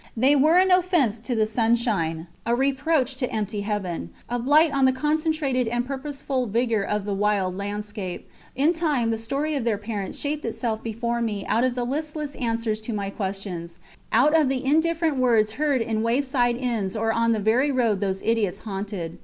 They were an offence to the sunshine, a reproach to empty heaven, a blight on the concentrated and purposeful vigour of the wild landscape. In time the story of their parents shaped itself before me out of the listless answers to my questions, out of the indifferent words heard in wayside inns or on the very road those idiots haunted.